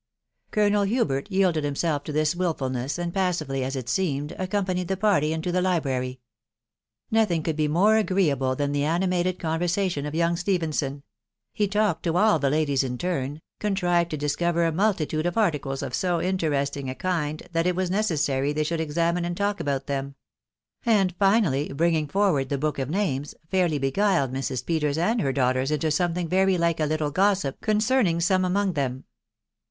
Colonel Hubert yielded himself to this wilfulness, and pas sively, as it seemed, accompanied the party into the library. Nothing could be more agreeable than the animated conversa tion of young Stephenson : he talked to all \hte ta&et m Vaou, THE WIDOW BARNABY, 209 contrived to discover a multitude of articles of so interesting a kind, that it was necessary they should examine and talk about them ; and finally, bringing forward the book of names, fairly beguiled Mrs. Peters and her daughters into something very like a little gossip concerning some among them.